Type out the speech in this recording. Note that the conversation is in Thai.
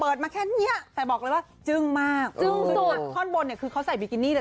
เปิดมาแค่เนี้ยแฟนบอกเลยว่าจึงมากจึงสดข้อนบนเนี้ยคือเขาใส่บิกินี่เลย